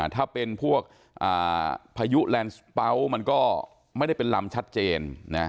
ถ้าเป็นพวกพายุแลนด์เป๋ามันก็ไม่ได้เป็นลำชัดเจน